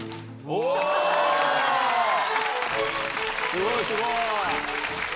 すごいすごい！